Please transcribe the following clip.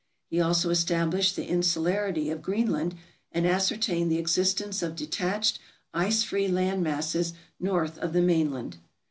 He also established the insularity of Greenland, and ascertained the existence of detached ice free land masses north of the main land.